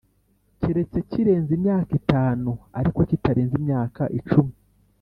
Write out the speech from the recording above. Keretse kirenze imyaka itanu ariko kitarenze imyaka icumi